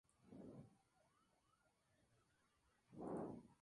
De esta manera existen análisis que son más consistentes que otros.